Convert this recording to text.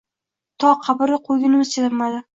To qabrga qo‘ygunimizcha tinmadi.